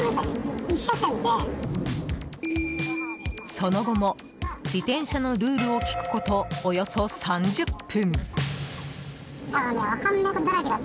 その後も自転車のルールを聞くこと、およそ３０分。